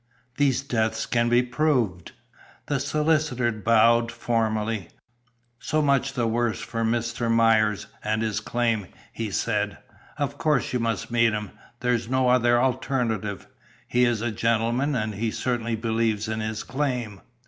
These deaths can be proved." The solicitor bowed formally. "So much the worse for Mr. Myers and his claim," he said. "Of course you must meet him; there's no other alternative. He is a gentleman, and he certainly believes in his claim."